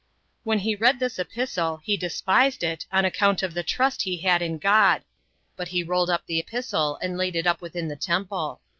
When he read this epistle, he despised it, on account of the trust that he had in God; but he rolled up the epistle, and laid it up within the temple.